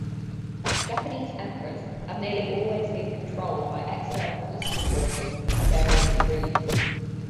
Japanese Emperors have nearly always been controlled by external political forces, to varying degrees.